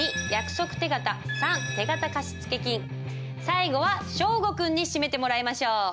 最後は祥伍君に締めてもらいましょう。